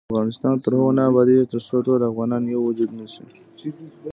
افغانستان تر هغو نه ابادیږي، ترڅو ټول افغانان یو وجود نشي.